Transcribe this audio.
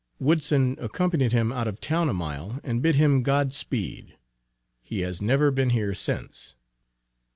Woodson accompanied him out of town a mile and bid him "God speed." He has never been here since.